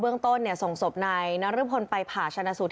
เรื่องต้นส่งศพนายนรพลไปผ่าชนะสูตร